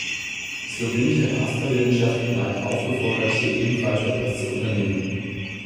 Die slowenische Ratspräsidentschaft bleibt aufgefordert, hier ebenfalls etwas zu unternehmen.